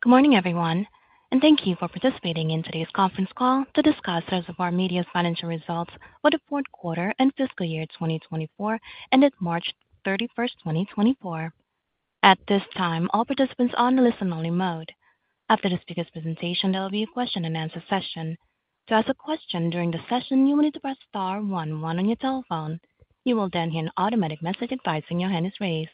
Good morning, everyone, and thank you for participating in today's conference call to discuss Reservoir Media's Financial Results for the Fourth Quarter and Fiscal Year 2024, ended March 31, 2024. At this time, all participants are on listen-only mode. After the speaker's presentation, there will be a question-and-answer session. To ask a question during the session, you will need to press star one one on your telephone. You will then hear an automatic message advising your hand is raised.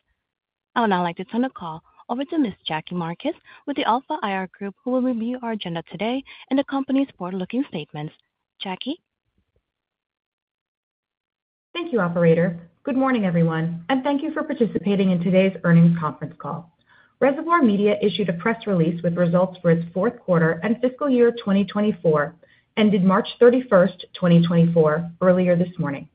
I would now like to turn the call over to Ms. Jackie Marcus with the Alpha IR Group, who will review our agenda today and the company's forward-looking statements. Jackie? Thank you, operator. Good morning, everyone, and thank you for participating in today's earnings conference call. Reservoir Media issued a press release with results for its fourth quarter and fiscal year 2024, ended March 31, 2024, earlier this morning.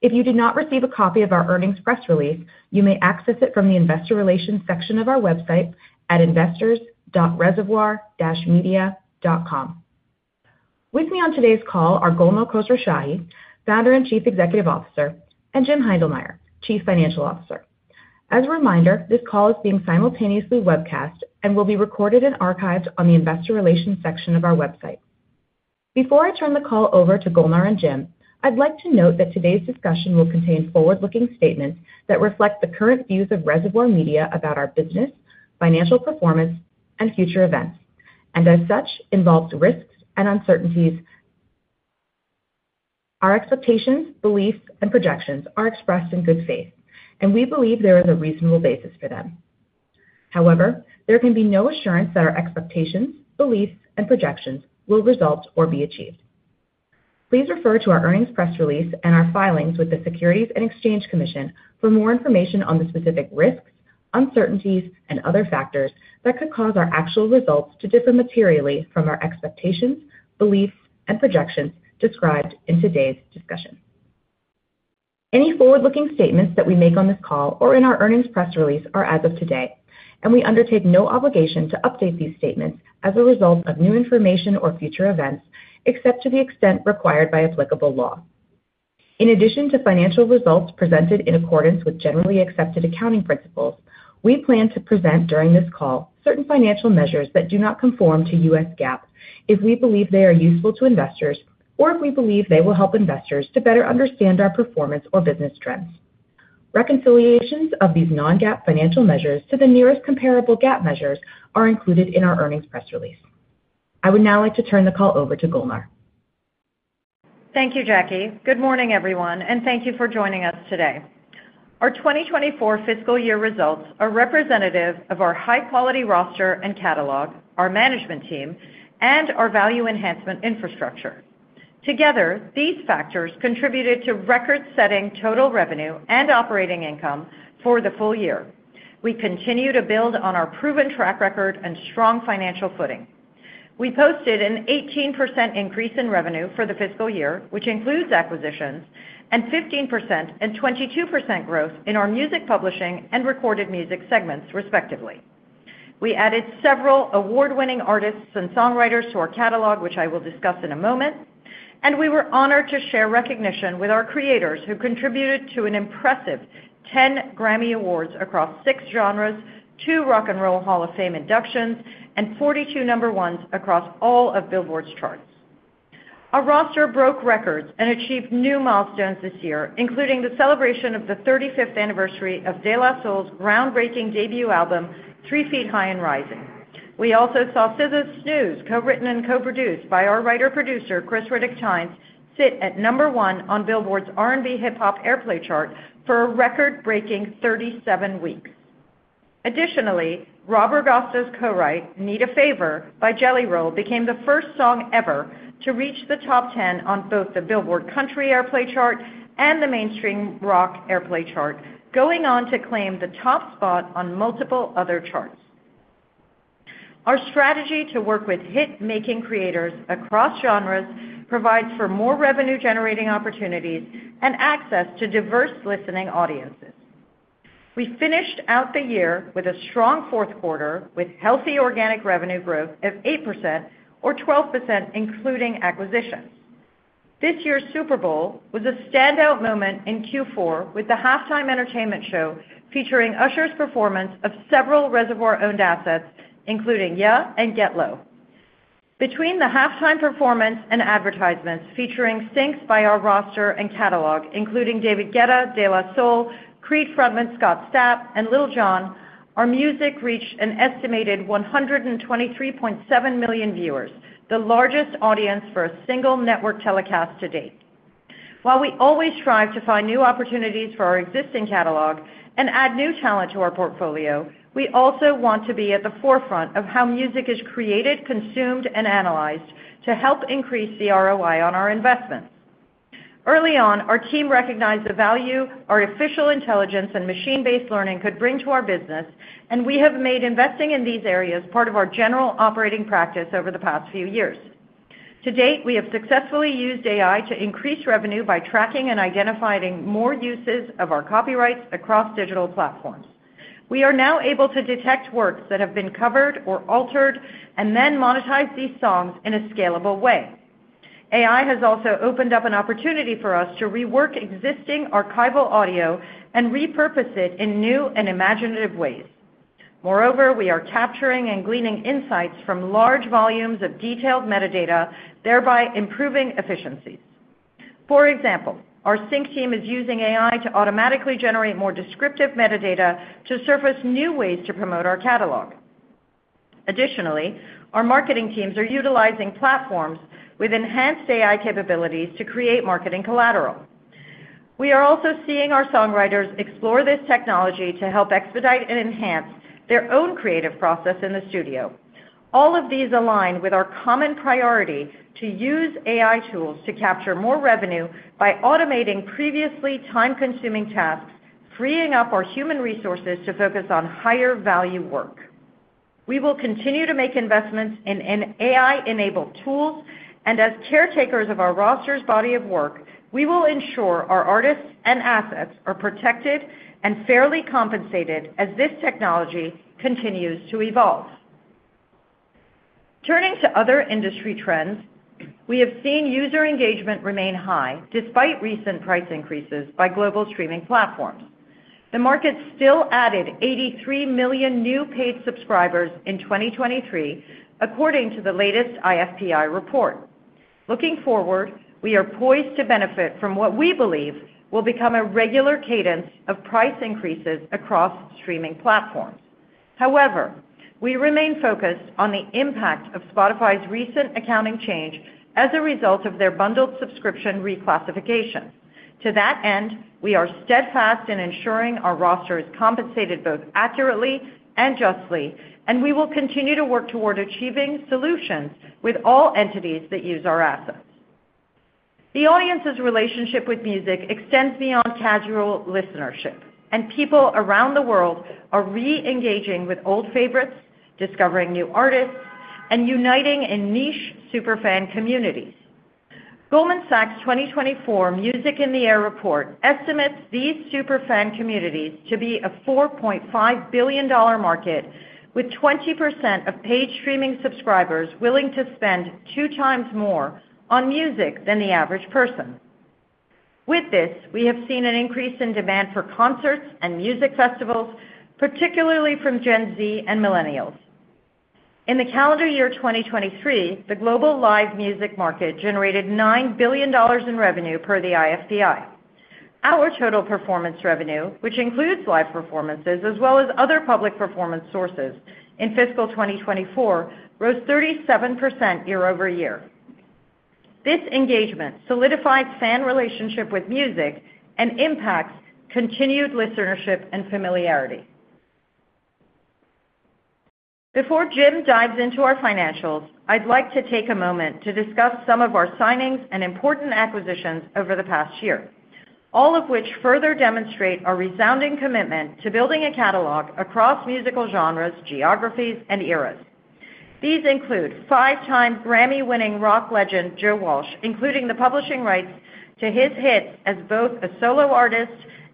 If you did not receive a copy of our earnings press release, you may access it from the investor relations section of our website at investors.reservoir-media.com. With me on today's call are Golnar Khosrowshahi, Founder and Chief Executive Officer, and Jim Heindlmeyer, Chief Financial Officer. As a reminder, this call is being simultaneously webcast and will be recorded and archived on the investor relations section of our website. Before I turn the call over to Golnar and Jim, I'd like to note that today's discussion will contain forward-looking statements that reflect the current views of Reservoir Media about our business, financial performance, and future events, and as such, involves risks and uncertainties. Our expectations, beliefs, and projections are expressed in good faith, and we believe there is a reasonable basis for them. However, there can be no assurance that our expectations, beliefs, and projections will result or be achieved. Please refer to our earnings press release and our filings with the Securities and Exchange Commission for more information on the specific risks, uncertainties, and other factors that could cause our actual results to differ materially from our expectations, beliefs, and projections described in today's discussion. Any forward-looking statements that we make on this call or in our earnings press release are as of today, and we undertake no obligation to update these statements as a result of new information or future events, except to the extent required by applicable law. In addition to financial results presented in accordance with generally accepted accounting principles, we plan to present during this call certain financial measures that do not conform to U.S. GAAP if we believe they are useful to investors or if we believe they will help investors to better understand our performance or business trends. Reconciliations of these non-GAAP financial measures to the nearest comparable GAAP measures are included in our earnings press release. I would now like to turn the call over to Golnar. Thank you, Jackie. Good morning, everyone, and thank you for joining us today. Our 2024 fiscal year results are representative of our high-quality roster and catalog, our management team, and our value enhancement infrastructure. Together, these factors contributed to record-setting total revenue and operating income for the full year. We continue to build on our proven track record and strong financial footing. We posted an 18% increase in revenue for the fiscal year, which includes acquisitions, and 15% and 22% growth in our music publishing and recorded music segments, respectively. We added several award-winning artists and songwriters to our catalog, which I will discuss in a moment, and we were honored to share recognition with our creators, who contributed to an impressive 10 Grammy Awards across six genres, two Rock and Roll Hall of Fame inductions, and 42 number ones across all of Billboard's charts. Our roster broke records and achieved new milestones this year, including the celebration of the 35th anniversary of De La Soul's groundbreaking debut album, Three Feet High and Rising. We also saw SZA's "Snooze," co-written and co-produced by our writer-producer, Khris Riddick-Tynes, sit at No. 1 on Billboard's R&B/Hip-Hop Airplay chart for a record-breaking 37 weeks. Additionally, Rob Ragosta's co-write, "Need a Favor" by Jelly Roll, became the first song ever to reach the top 10 on both the Billboard Country Airplay chart and the Mainstream Rock Airplay chart, going on to claim the top spot on multiple other charts. Our strategy to work with hit-making creators across genres provides for more revenue-generating opportunities and access to diverse listening audiences. We finished out the year with a strong fourth quarter, with healthy organic revenue growth of 8% or 12%, including acquisitions. This year's Super Bowl was a standout moment in Q4, with the halftime entertainment show featuring Usher's performance of several Reservoir-owned assets, including "Yeah" and "Get Low." Between the halftime performance and advertisements featuring syncs by our roster and catalog, including David Guetta, De La Soul, Creed frontman Scott Stapp, and Lil Jon, our music reached an estimated 123.7 million viewers, the largest audience for a single network telecast to date. While we always strive to find new opportunities for our existing catalog and add new talent to our portfolio, we also want to be at the forefront of how music is created, consumed, and analyzed to help increase the ROI on our investments. Early on, our team recognized the value artificial intelligence and machine learning could bring to our business, and we have made investing in these areas part of our general operating practice over the past few years. To date, we have successfully used AI to increase revenue by tracking and identifying more uses of our copyrights across digital platforms. We are now able to detect works that have been covered or altered and then monetize these songs in a scalable way. AI has also opened up an opportunity for us to rework existing archival audio and repurpose it in new and imaginative ways. Moreover, we are capturing and gleaning insights from large volumes of detailed metadata, thereby improving efficiencies. For example, our sync team is using AI to automatically generate more descriptive metadata to surface new ways to promote our catalog. Additionally, our marketing teams are utilizing platforms with enhanced AI capabilities to create marketing collateral. We are also seeing our songwriters explore this technology to help expedite and enhance their own creative process in the studio. All of these align with our common priority to use AI tools to capture more revenue by automating previously time-consuming tasks, freeing up our human resources to focus on higher-value work. We will continue to make investments in AI-enabled tools, and as caretakers of our roster's body of work, we will ensure our artists and assets are protected and fairly compensated as this technology continues to evolve. Turning to other industry trends, we have seen user engagement remain high despite recent price increases by global streaming platforms. The market still added 83 million new paid subscribers in 2023, according to the latest IFPI report. Looking forward, we are poised to benefit from what we believe will become a regular cadence of price increases across streaming platforms. However, we remain focused on the impact of Spotify's recent accounting change as a result of their bundled subscription reclassification. To that end, we are steadfast in ensuring our roster is compensated both accurately and justly, and we will continue to work toward achieving solutions with all entities that use our assets. The audience's relationship with music extends beyond casual listenership, and people around the world are re-engaging with old favorites, discovering new artists, and uniting in niche superfan communities. Goldman Sachs' 2024 Music in the Air report estimates these superfan communities to be a $4.5 billion market, with 20% of paid streaming subscribers willing to spend two times more on music than the average person. With this, we have seen an increase in demand for concerts and music festivals, particularly from Gen Z and Millennials. In the calendar year 2023, the global live music market generated $9 billion in revenue per the IFPI. Our total performance revenue, which includes live performances as well as other public performance sources in fiscal 2024, rose 37% year-over-year. This engagement solidifies fan relationship with music and impacts continued listenership and familiarity. Before Jim dives into our financials, I'd like to take a moment to discuss some of our signings and important acquisitions over the past year, all of which further demonstrate our resounding commitment to building a catalog across musical genres, geographies, and eras. These include five-time Grammy-winning rock legend, Joe Walsh, including the publishing rights to his hits as both a solo artist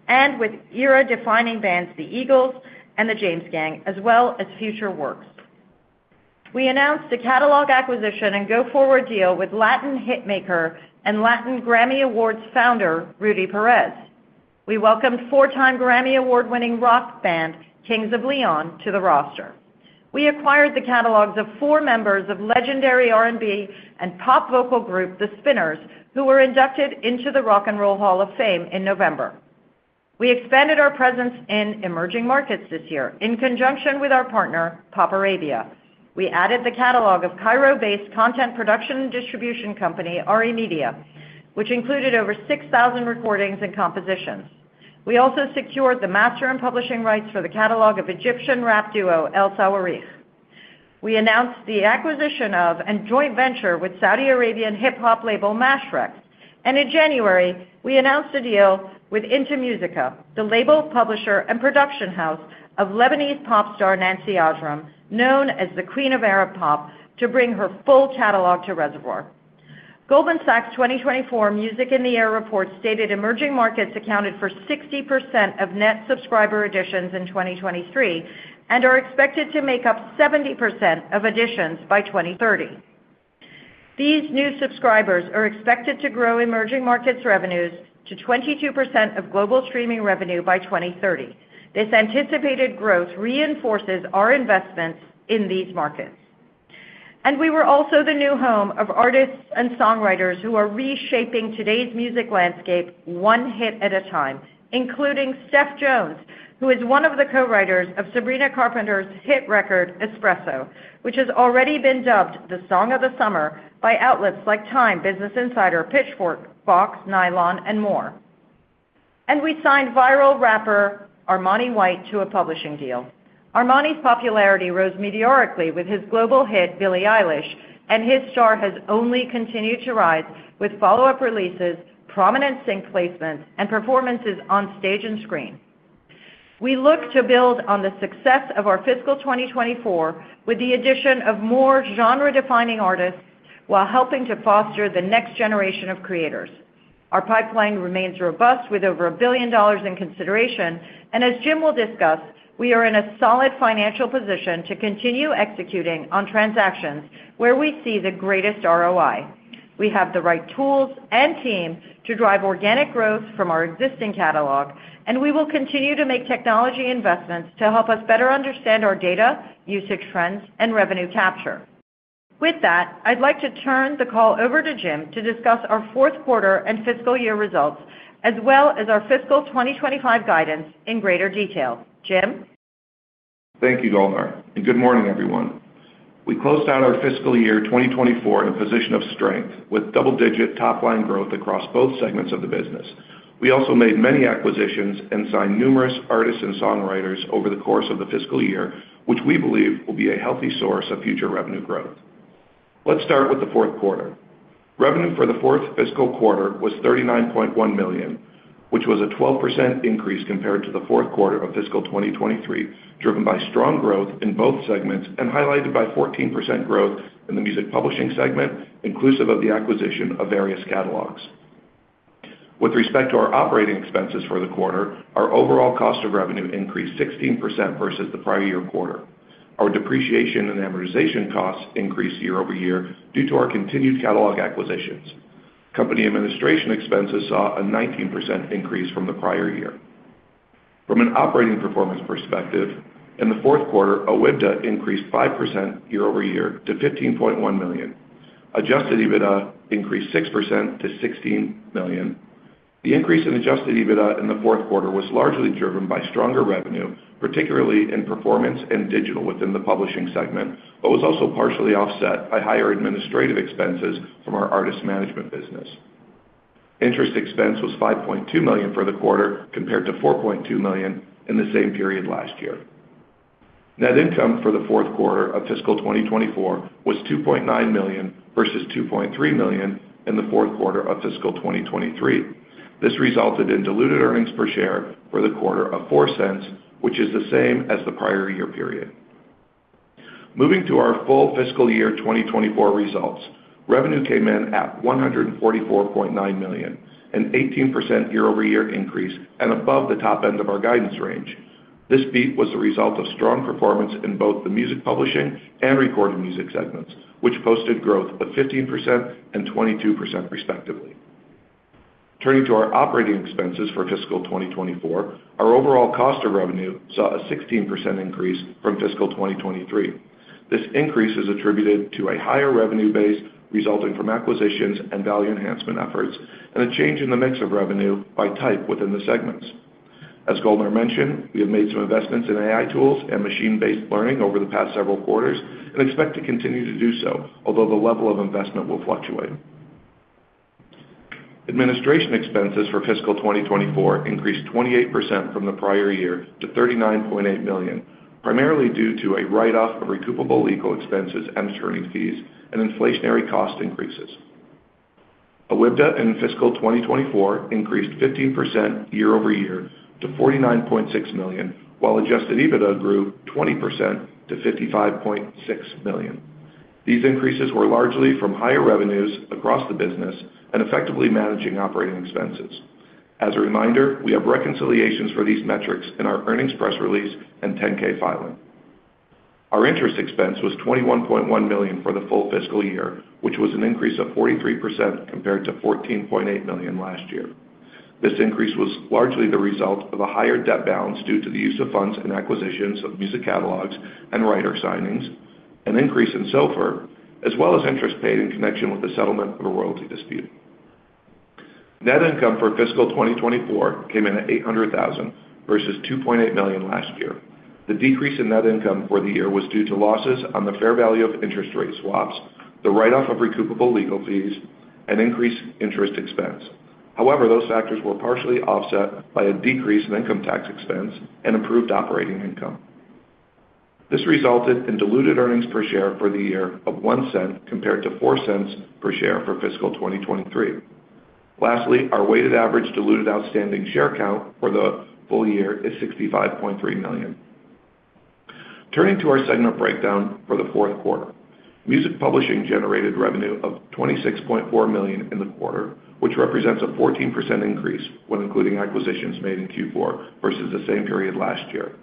and with era-defining bands, The Eagles and The James Gang, as well as future works. We announced a catalog acquisition and go-forward deal with Latin hitmaker and Latin Grammy Awards founder, Rudy Perez. We welcomed four-time Grammy Award-winning rock band, Kings of Leon, to the roster. We acquired the catalogs of four members of legendary R&B and pop vocal group, The Spinners, who were inducted into the Rock and Roll Hall of Fame in November. We expanded our presence in emerging markets this year in conjunction with our partner, PopArabia. We added the catalog of Cairo-based content production and distribution company, RE Media, which included over 6,000 recordings and compositions. We also secured the master and publishing rights for the catalog of Egyptian rap duo, El Sawareekh. We announced the acquisition of and joint venture with Saudi Arabian hip-hop label Mashrex, and in January, we announced a deal with In2Musica, the label, publisher, and production house of Lebanese pop star, Nancy Ajram, known as the Queen of Arab Pop, to bring her full catalog to Reservoir. Goldman Sachs' 2024 Music in the Air report stated emerging markets accounted for 60% of net subscriber additions in 2023 and are expected to make up 70% of additions by 2030. These new subscribers are expected to grow emerging markets' revenues to 22% of global streaming revenue by 2030. This anticipated growth reinforces our investments in these markets. We were also the new home of artists and songwriters who are reshaping today's music landscape one hit at a time, including Steph Jones, who is one of the co-writers of Sabrina Carpenter's hit record, Espresso, which has already been dubbed the Song of the Summer by outlets like Time, Business Insider, Pitchfork, Fox, Nylon, and more. We signed viral rapper Armani White to a publishing deal. Armani's popularity rose meteorically with his global hit, Billie Eilish, and his star has only continued to rise with follow-up releases, prominent sync placements, and performances on stage and screen. We look to build on the success of our fiscal 2024 with the addition of more genre-defining artists, while helping to foster the next generation of creators... Our pipeline remains robust with over $1 billion in consideration, and as Jim will discuss, we are in a solid financial position to continue executing on transactions where we see the greatest ROI. We have the right tools and teams to drive organic growth from our existing catalog, and we will continue to make technology investments to help us better understand our data, usage trends, and revenue capture. With that, I'd like to turn the call over to Jim to discuss our fourth quarter and fiscal year results, as well as our fiscal 2025 guidance in greater detail. Jim? Thank you, Golnar, and good morning, everyone. We closed out our fiscal year 2024 in a position of strength, with double-digit top-line growth across both segments of the business. We also made many acquisitions and signed numerous artists and songwriters over the course of the fiscal year, which we believe will be a healthy source of future revenue growth. Let's start with the fourth quarter. Revenue for the fourth fiscal quarter was $39.1 million, which was a 12% increase compared to the fourth quarter of fiscal 2023, driven by strong growth in both segments and highlighted by 14% growth in the music publishing segment, inclusive of the acquisition of various catalogs. With respect to our operating expenses for the quarter, our overall cost of revenue increased 16% versus the prior year quarter. Our depreciation and amortization costs increased year-over-year due to our continued catalog acquisitions. Company administration expenses saw a 19% increase from the prior year. From an operating performance perspective, in the fourth quarter, OIBDA increased 5% year-over-year to $15.1 million. Adjusted EBITDA increased 6% to $16 million. The increase in adjusted EBITDA in the fourth quarter was largely driven by stronger revenue, particularly in performance and digital within the publishing segment, but was also partially offset by higher administrative expenses from our artist management business. Interest expense was $5.2 million for the quarter, compared to $4.2 million in the same period last year. Net income for the fourth quarter of fiscal 2024 was $2.9 million versus $2.3 million in the fourth quarter of fiscal 2023. This resulted in diluted earnings per share for the quarter of $0.04, which is the same as the prior year period. Moving to our full fiscal year 2024 results, revenue came in at $144.9 million, an 18% year-over-year increase and above the top end of our guidance range. This beat was the result of strong performance in both the music publishing and recorded music segments, which posted growth of 15% and 22% respectively. Turning to our operating expenses for fiscal 2024, our overall cost of revenue saw a 16% increase from fiscal 2023. This increase is attributed to a higher revenue base resulting from acquisitions and value enhancement efforts, and a change in the mix of revenue by type within the segments. As Golnar mentioned, we have made some investments in AI tools and machine-based learning over the past several quarters and expect to continue to do so, although the level of investment will fluctuate. Administrative expenses for fiscal 2024 increased 28% from the prior year to $39.8 million, primarily due to a write-off of recoupable legal expenses and attorney fees and inflationary cost increases. OIBDA in fiscal 2024 increased 15% year-over-year to $49.6 million, while adjusted EBITDA grew 20% to $55.6 million. These increases were largely from higher revenues across the business and effectively managing operating expenses. As a reminder, we have reconciliations for these metrics in our earnings press release and 10-K filing. Our interest expense was $21.1 million for the full fiscal year, which was an increase of 43% compared to $14.8 million last year. This increase was largely the result of a higher debt balance due to the use of funds and acquisitions of music catalogs and writer signings, an increase in SOFR, as well as interest paid in connection with the settlement of a royalty dispute. Net income for fiscal 2024 came in at $800,000 versus $2.8 million last year. The decrease in net income for the year was due to losses on the fair value of interest rate swaps, the write-off of recoupable legal fees, and increased interest expense. However, those factors were partially offset by a decrease in income tax expense and improved operating income. This resulted in diluted earnings per share for the year of $0.01, compared to $0.04 per share for fiscal 2023. Lastly, our weighted average diluted outstanding share count for the full year is 65.3 million. Turning to our segment breakdown for the fourth quarter, music publishing generated revenue of $26.4 million in the quarter, which represents a 14% increase when including acquisitions made in Q4 versus the same period last year.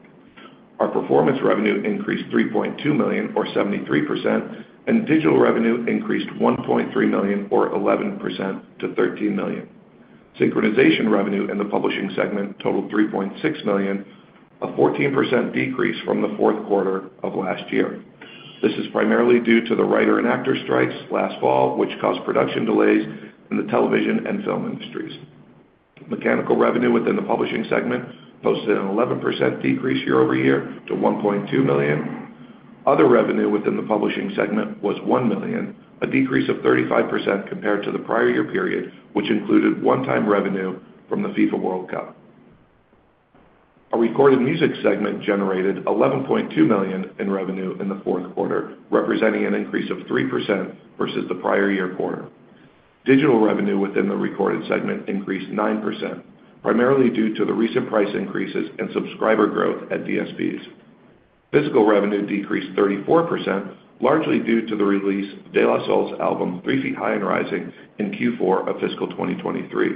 Our performance revenue increased $3.2 million, or 73%, and digital revenue increased $1.3 million, or 11%, to $13 million. Synchronization revenue in the publishing segment totaled $3.6 million, a 14% decrease from the fourth quarter of last year. This is primarily due to the writer and actor strikes last fall, which caused production delays in the television and film industries. Mechanical revenue within the publishing segment posted an 11% decrease year-over-year to $1.2 million. Other revenue within the publishing segment was $1 million, a decrease of 35% compared to the prior-year period, which included one-time revenue from the FIFA World Cup. Our recorded music segment generated $11.2 million in revenue in the fourth quarter, representing an increase of 3% versus the prior-year quarter. Digital revenue within the recorded segment increased 9%, primarily due to the recent price increases and subscriber growth at DSPs. Physical revenue decreased 34%, largely due to the release of De La Soul's album, Three Feet High and Rising, in Q4 of fiscal 2023.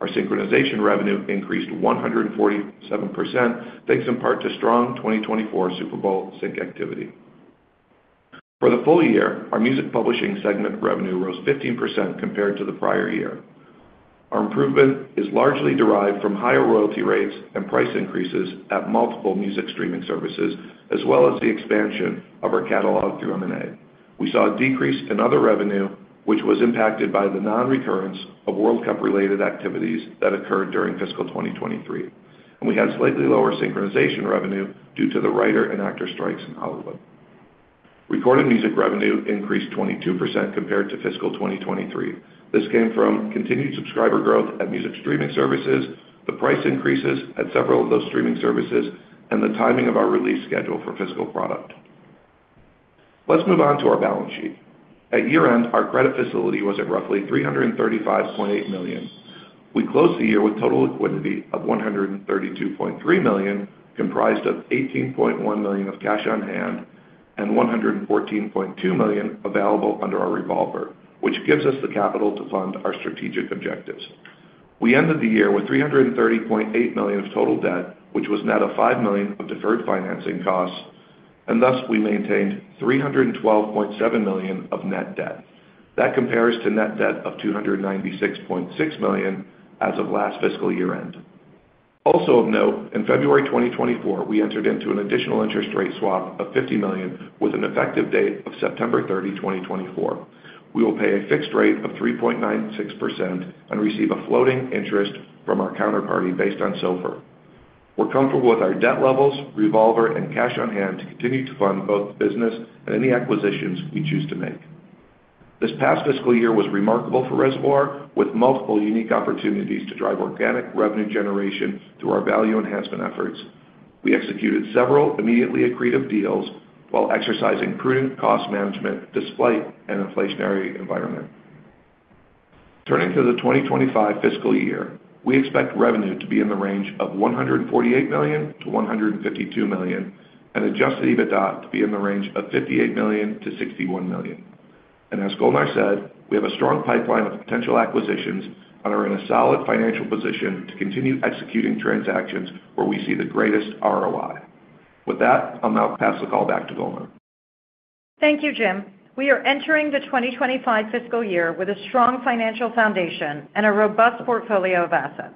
Our synchronization revenue increased 147%, thanks in part to strong 2024 Super Bowl sync activity. For the full year, our music publishing segment revenue rose 15% compared to the prior year. Our improvement is largely derived from higher royalty rates and price increases at multiple music streaming services, as well as the expansion of our catalog through M&A. We saw a decrease in other revenue, which was impacted by the non-recurrence of World Cup-related activities that occurred during fiscal 2023, and we had slightly lower synchronization revenue due to the writer and actor strikes in Hollywood. Recorded music revenue increased 22% compared to fiscal 2023. This came from continued subscriber growth at music streaming services, the price increases at several of those streaming services, and the timing of our release schedule for physical product. Let's move on to our balance sheet. At year-end, our credit facility was at roughly $335.8 million. We closed the year with total equity of $132.3 million, comprised of $18.1 million of cash on hand and $114.2 million available under our revolver, which gives us the capital to fund our strategic objectives. We ended the year with $330.8 million of total debt, which was net of $5 million of deferred financing costs, and thus we maintained $312.7 million of net debt. That compares to net debt of $296.6 million as of last fiscal year-end. Also of note, in February 2024, we entered into an additional interest rate swap of $50 million, with an effective date of September 30, 2024. We will pay a fixed rate of 3.96% and receive a floating interest from our counterparty based on SOFR. We're comfortable with our debt levels, revolver, and cash on hand to continue to fund both the business and any acquisitions we choose to make. This past fiscal year was remarkable for Reservoir, with multiple unique opportunities to drive organic revenue generation through our value enhancement efforts. We executed several immediately accretive deals while exercising prudent cost management despite an inflationary environment. Turning to the 2025 fiscal year, we expect revenue to be in the range of $148 million-$152 million and Adjusted EBITDA to be in the range of $58 million-$61 million. As Golnar said, we have a strong pipeline of potential acquisitions and are in a solid financial position to continue executing transactions where we see the greatest ROI. With that, I'll now pass the call back to Golnar. Thank you, Jim. We are entering the 2025 fiscal year with a strong financial foundation and a robust portfolio of assets.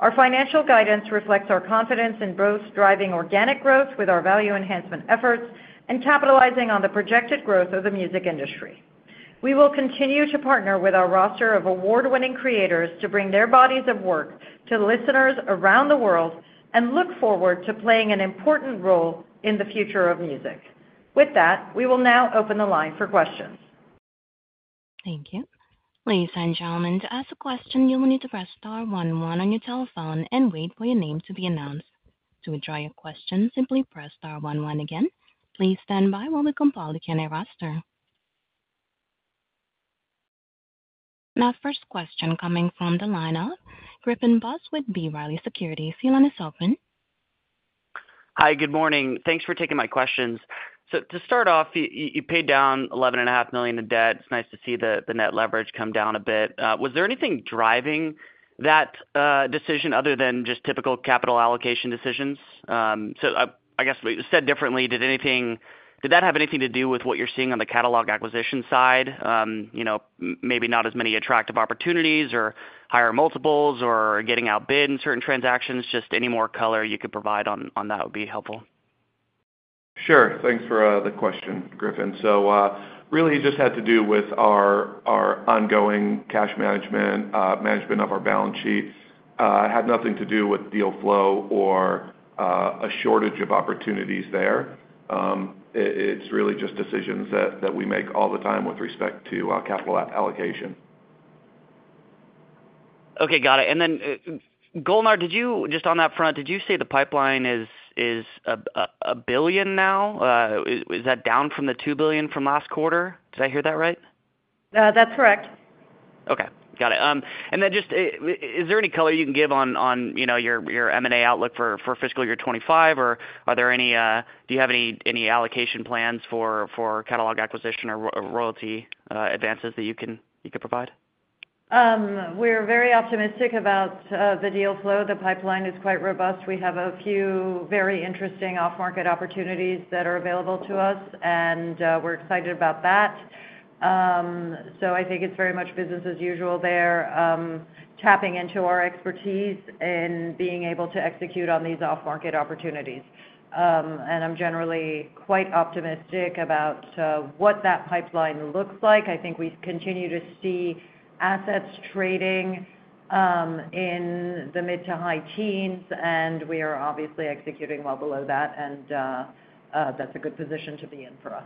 Our financial guidance reflects our confidence in both driving organic growth with our value enhancement efforts and capitalizing on the projected growth of the music industry. We will continue to partner with our roster of award-winning creators to bring their bodies of work to listeners around the world and look forward to playing an important role in the future of music. With that, we will now open the line for questions. Thank you. Ladies and gentlemen, to ask a question, you will need to press star one one on your telephone and wait for your name to be announced. To withdraw your question, simply press star one one again. Please stand by while we compile the Q&A roster. Our first question coming from the line of Griffin Boss with B. Riley Securities. Your line is open. Hi, good morning. Thanks for taking my questions. So to start off, you, you paid down $11.5 million in debt. It's nice to see the, the net leverage come down a bit. Was there anything driving that, decision other than just typical capital allocation decisions? So, I guess said differently, did anything, did that have anything to do with what you're seeing on the catalog acquisition side? You know, maybe not as many attractive opportunities or higher multiples or getting outbid in certain transactions. Just any more color you could provide on, on that would be helpful. Sure. Thanks for the question, Griffin. So, really, it just had to do with our ongoing cash management, management of our balance sheet. It had nothing to do with deal flow or a shortage of opportunities there. It's really just decisions that we make all the time with respect to our capital allocation. Okay, got it. And then, Golnar, did you... just on that front, did you say the pipeline is $1 billion now? Is that down from the $2 billion from last quarter? Did I hear that right? That's correct. Okay, got it. And then just, is there any color you can give on, you know, your M&A outlook for fiscal year 2025, or are there any, do you have any allocation plans for catalog acquisition or royalty advances that you could provide? We're very optimistic about the deal flow. The pipeline is quite robust. We have a few very interesting off-market opportunities that are available to us, and we're excited about that. So I think it's very much business as usual there, tapping into our expertise and being able to execute on these off-market opportunities. And I'm generally quite optimistic about what that pipeline looks like. I think we continue to see assets trading in the mid to high teens, and we are obviously executing well below that, and that's a good position to be in for us.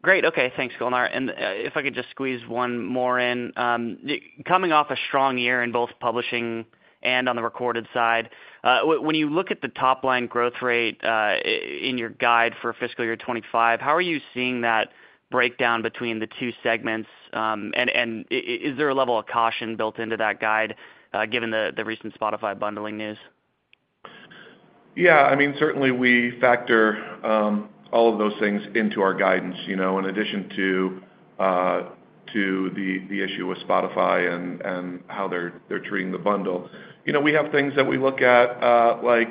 Great. Okay, thanks, Golnar. And if I could just squeeze one more in. Coming off a strong year in both publishing and on the recorded side, when you look at the top line growth rate, in your guide for fiscal year 2025, how are you seeing that breakdown between the two segments? And is there a level of caution built into that guide, given the recent Spotify bundling news?... Yeah, I mean, certainly we factor all of those things into our guidance, you know, in addition to the issue with Spotify and how they're treating the bundle. You know, we have things that we look at, like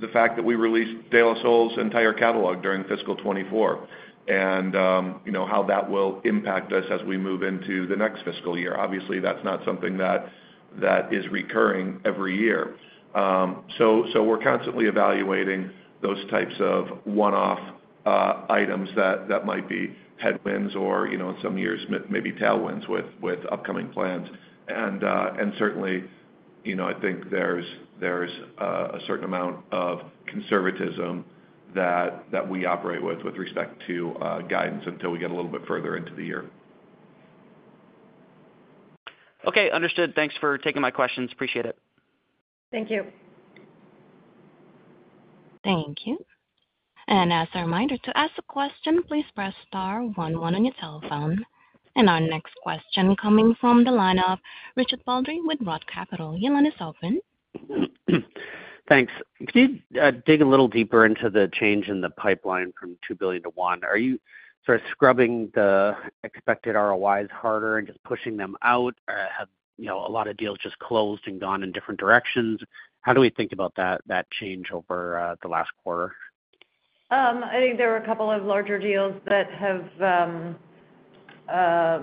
the fact that we released De La Soul's entire catalog during fiscal 2024, and you know, how that will impact us as we move into the next fiscal year. Obviously, that's not something that is recurring every year. So, we're constantly evaluating those types of one-off items that might be headwinds or, you know, in some years, maybe tailwinds with upcoming plans. Certainly, you know, I think there's a certain amount of conservatism that we operate with respect to guidance until we get a little bit further into the year. Okay, understood. Thanks for taking my questions. Appreciate it. Thank you. Thank you. And as a reminder, to ask a question, please press star one one on your telephone. And our next question coming from the line of Richard Baldry with Roth Capital. Your line is open. Thanks. Could you dig a little deeper into the change in the pipeline from $2 billion - $1 billion? Are you sort of scrubbing the expected ROIs harder and just pushing them out, or have, you know, a lot of deals just closed and gone in different directions? How do we think about that, that change over the last quarter? I think there are a couple of larger deals that have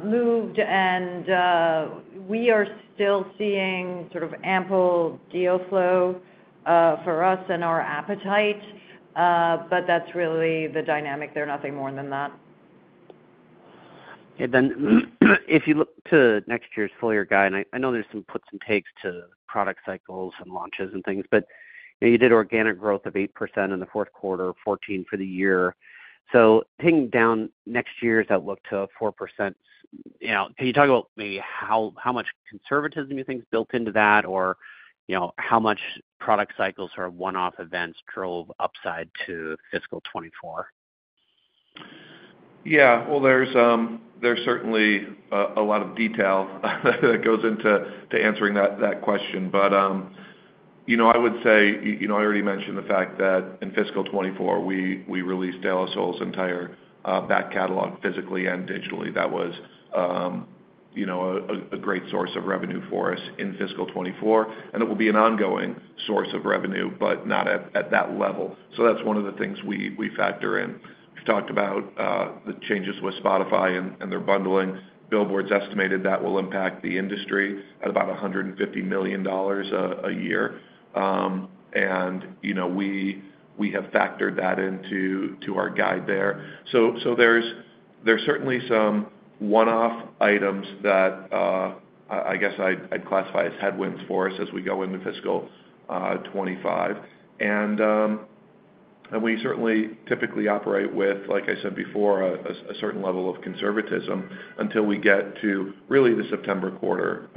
moved, and we are still seeing sort of ample deal flow for us and our appetite, but that's really the dynamic there, nothing more than that. Okay, then, if you look to next year's full year guide, I know there's some puts and takes to product cycles and launches and things, but, you know, you did organic growth of 8% in the fourth quarter, 14% for the year. So taking down next year's outlook to 4%, you know, can you talk about maybe how much conservatism you think is built into that? Or, you know, how much product cycles or one-off events curl upside to fiscal 2024? Yeah. Well, there's certainly a lot of detail that goes into answering that question. But, you know, I would say, you know, I already mentioned the fact that in fiscal 2024, we released De La Soul's entire back catalog, physically and digitally. That was, you know, a great source of revenue for us in fiscal 2024, and it will be an ongoing source of revenue, but not at that level. So that's one of the things we factor in. We've talked about the changes with Spotify and their bundling. Billboard's estimated that will impact the industry at about $150 million a year. And, you know, we have factored that into our guide there. So there's certainly some one-off items that I guess I'd classify as headwinds for us as we go into fiscal 2025. And we certainly typically operate with, like I said before, a certain level of conservatism until we get to really the September quarter,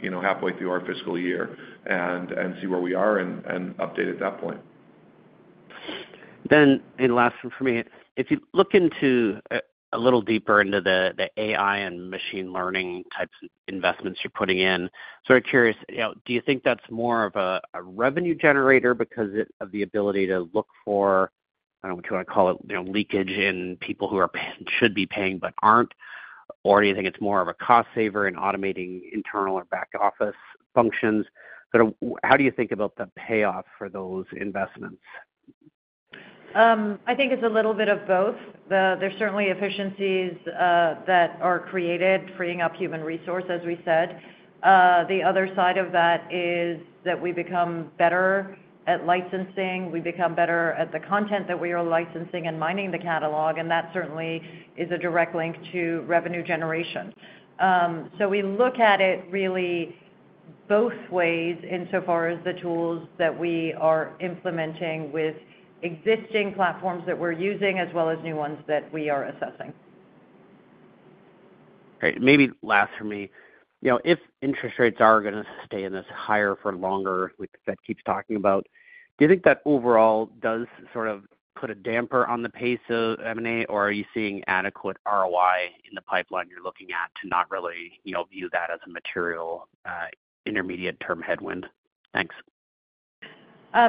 you know, halfway through our fiscal year, and see where we are and update at that point. Last one for me. If you look a little deeper into the AI and machine learning types of investments you're putting in, sort of curious, you know, do you think that's more of a revenue generator because of the ability to look for, I don't know what you want to call it, you know, leakage in people who should be paying but aren't? Or do you think it's more of a cost saver in automating internal or back office functions? Sort of, how do you think about the payoff for those investments? I think it's a little bit of both. There's certainly efficiencies that are created, freeing up human resource, as we said. The other side of that is that we become better at licensing, we become better at the content that we are licensing and mining the catalog, and that certainly is a direct link to revenue generation. So we look at it really both ways insofar as the tools that we are implementing with existing platforms that we're using, as well as new ones that we are assessing. Great. Maybe last for me. You know, if interest rates are gonna stay in this higher for longer, which the Fed keeps talking about, do you think that overall does sort of put a damper on the pace of M&A, or are you seeing adequate ROI in the pipeline you're looking at to not really, you know, view that as a material intermediate term headwind? Thanks.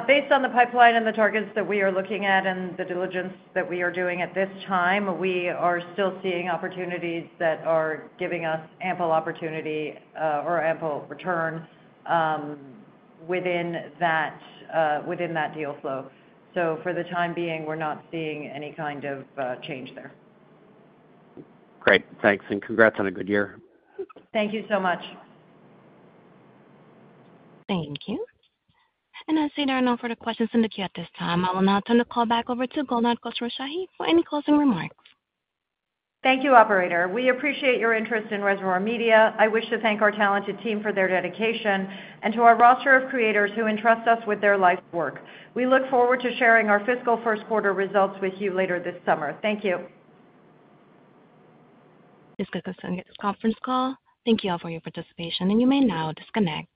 Based on the pipeline and the targets that we are looking at and the diligence that we are doing at this time, we are still seeing opportunities that are giving us ample opportunity, or ample return, within that, within that deal flow. So for the time being, we're not seeing any kind of, change there. Great. Thanks, and congrats on a good year. Thank you so much. Thank you. As there are no further questions in the queue at this time, I will now turn the call back over to Golnar Khosrowshahi for any closing remarks. Thank you, operator. We appreciate your interest in Reservoir Media. I wish to thank our talented team for their dedication and to our roster of creators who entrust us with their life's work. We look forward to sharing our fiscal first quarter results with you later this summer. Thank you. This concludes conference call. Thank you all for your participation, and you may now disconnect.